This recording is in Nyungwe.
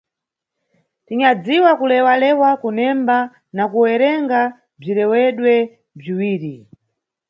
Tinyadziwa kulewalewa, kunemba na kuwerenga mʼbzilewedwe bziwiri.